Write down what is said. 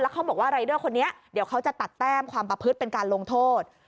เขาบอกว่ารายเดอร์คนนี้เดี๋ยวเขาจะตัดแต้มความประพฤติเป็นการลงโทษ